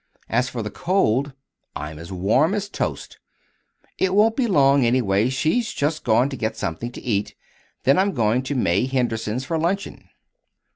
As for the cold I'm as warm as toast. It won't be long, anyway; she's just gone to get something to eat. Then I'm going to May Henderson's for luncheon."